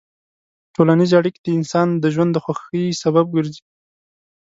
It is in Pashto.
ټولنیز اړیکې د انسان د ژوند د خوښۍ سبب ګرځي.